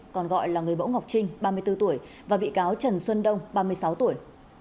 còn gọi là người bỗ ngọc trinh ba mươi bốn tuổi và bị cáo trần xuân đông ba mươi sáu tuổi